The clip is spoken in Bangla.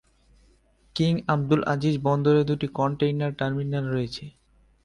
কিং আবদুল আজিজ বন্দরে দুটি কন্টেইনার টার্মিনাল রয়েছে।